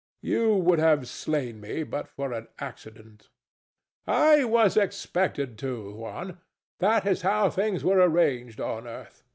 You would have slain me but for an accident. THE STATUE. I was expected to, Juan. That is how things were arranged on earth.